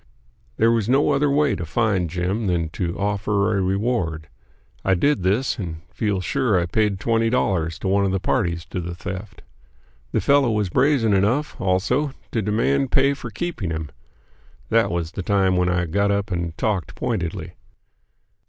There was no other way to find Jim than to offer a reward. I did this, and feel sure I paid twenty dollars to one of the parties to the theft. The fellow was brazen enough, also, to demand pay for keeping him. That was the time when I got up and talked pointedly.